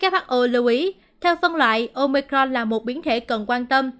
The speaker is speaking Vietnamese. who lưu ý theo phân loại omecron là một biến thể cần quan tâm